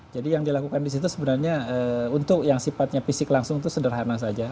jadi yang dilakukan di situ sebenarnya untuk yang sifatnya fisik langsung itu sederhana saja